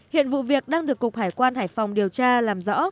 hiện vụ việc đang được cục hải quan hải phòng điều tra làm rõ